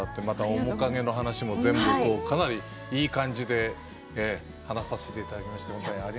「おもかげ」の話もかなりいい感じで話させていただきました。